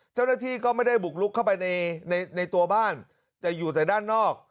เจ้าหน้าที่ก็ไม่ได้บุกลุกเข้าไปในในตัวบ้านแต่อยู่แต่ด้านนอก